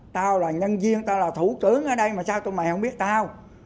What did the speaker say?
tao là nhân viên tao là thủ trưởng ở đây mà sao tụi mày không biết tao